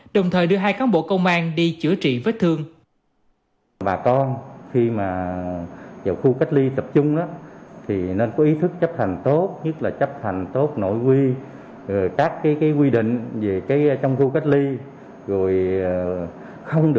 đồng thời đưa hai cán bộ công an đi chữa trị vết thương